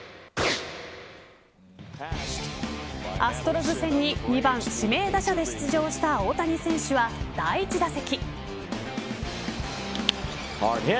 アストロズ戦に２番指名打者で出場した大谷選手は第１打席。